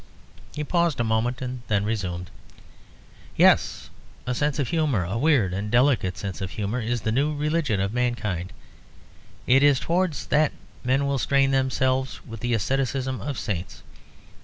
He paused a moment, and then resumed. "Yes; a sense of humour, a weird and delicate sense of humour, is the new religion of mankind! It is towards that men will strain themselves with the asceticism of saints.